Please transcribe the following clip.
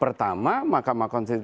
pertama mahkamah konstitusi